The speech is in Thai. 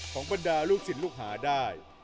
ของบรรดารูกสินลูกหาได้